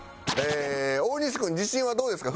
大西君自信はどうですか？